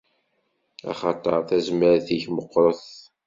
Axaṭer tazmert-ik meqqret!